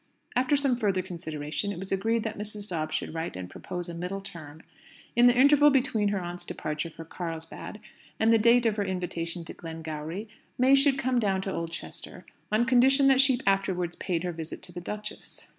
After some further consideration it was agreed that Mrs. Dobbs should write and propose a middle term: in the interval between her aunt's departure for Carlsbad, and the date of her invitation to Glengowrie, May should come down to Oldchester, on condition that she afterwards paid her visit to the Duchess.